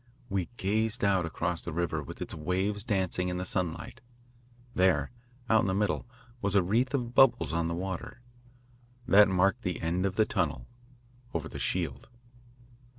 We gazed out across the river with its waves dancing in the sunlight. There, out in the middle, was a wreath of bubbles on the water. That marked the end of the tunnel, over the shield.